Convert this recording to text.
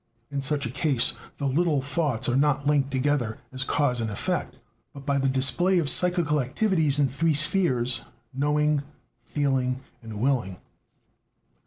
In such a case the "little thoughts" are not linked together as cause and effect, but by the display of psychical activities in three spheres: "knowing, feeling, and willing."